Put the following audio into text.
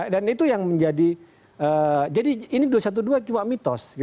dan itu yang menjadi jadi ini dua ratus dua belas cuma mitos